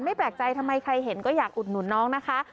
แปลกใจทำไมใครเห็นก็อยากอุดหนุนน้องนะคะ